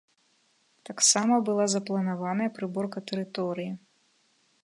Таксама была запланаваная прыборка тэрыторыі.